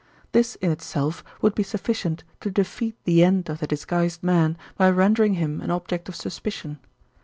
This in itself would be sufficient to defeat the end of the disguised man by rendering him an object of suspicion.